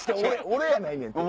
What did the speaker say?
俺やないねんて。